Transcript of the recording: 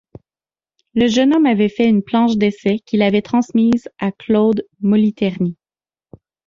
Le jeune homme avait fait une planche d'essai qu'il avait transmise à Claude Moliterni.